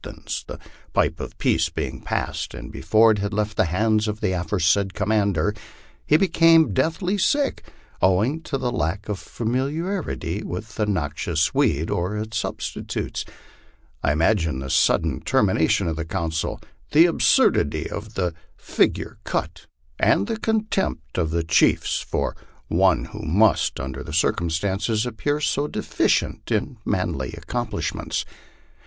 241 tains, the pipe of peace being passed, and before it had left the hands of the aforesaid commander, he becoming deathly sick, owing to lack of familiar ity with the noxious weed or its substitutes. I imagined the sudden termi nation of the council, the absurdity of the figure cut, and the contempt of the chiefs for one who must, under the circumstances, appear so deficient in manly accomplishments.